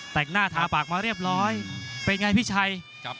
แต่งหน้าทาปากมาเรียบร้อยเป็นไงพี่ชัย